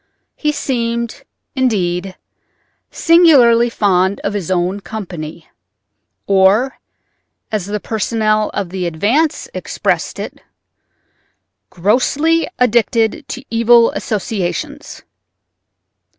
He seemed, indeed, singularly fond of his own company—or, as the personnel of the Advance expressed it, "grossly addicted to evil associations."